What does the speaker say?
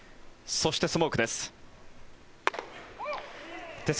そして、スモークです。